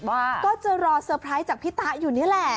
ว่าก็จะรอเซอร์ไพรส์จากพี่ตะอยู่นี่แหละ